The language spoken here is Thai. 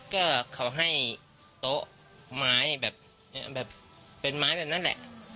ก็เขาให้โต๊ะไม้แบบเป็นไม้แบบนั้นแหละ